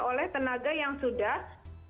oleh tenaga yang sudah